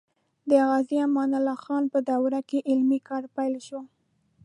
د غازي امان الله خان په دوره کې علمي کار پیل شو.